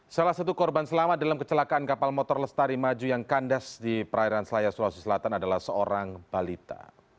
salah satu korban selamat dalam kecelakaan kapal motor lestari maju yang kandas di perairan selaya sulawesi selatan adalah seorang balita